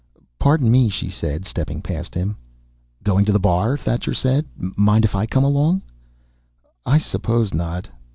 "Pardon me," she said, stepping past him. "Going to the bar?" Thacher said. "Mind if I come along?" "I suppose not."